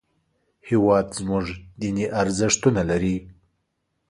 هېواد زموږ دیني ارزښتونه لري